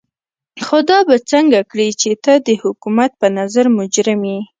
خو دا به څنګه کړې چې ته د حکومت په نظر مجرم يې.